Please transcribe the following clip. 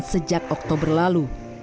sejak oktober lalu